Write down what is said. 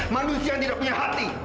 manusia yang tidak punya hati